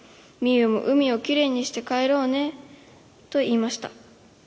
ゆうも、海をきれいにして帰ろうね。」と言いました。